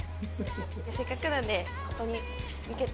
せっかくなのでここに向けて。